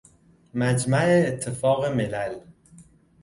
مجمع اتفاق ملل